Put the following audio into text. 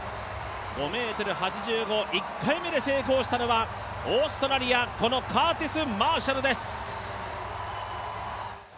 ５ｍ８５を１回目で成功したのはオーストラリアのカーティス・マーシャルです。